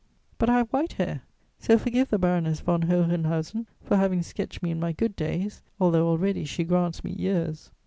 But I have white hair: so forgive the Baroness von Hohenhausen for having sketched me in my good days, although already she grants me years.